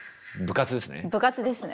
部活ですね。